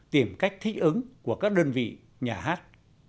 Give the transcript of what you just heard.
tìm cách thích ứng của các đơn vị nhà hát